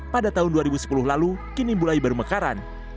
pada tahun dua ribu sepuluh lalu kini mulai bermekaran